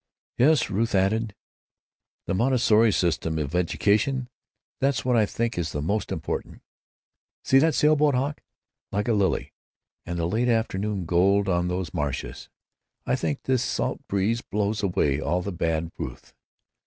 "Yes," Ruth added, "and Montessori's system of education—that's what I think is the most important.... See that sail boat, Hawk! Like a lily. And the late afternoon gold on those marshes. I think this salt breeze blows away all the bad Ruth....